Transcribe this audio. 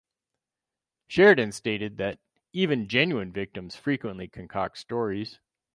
Sheridan stated that "even genuine victims frequently concoct stories".